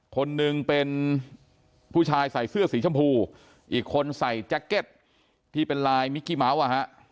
คนหนึ่งเป็นผู้ชายใส่เสื้อสีชมพูอีกคนใส่แจ็คเก็ตที่เป็นลายมิกกี้เมาส์อ่ะฮะ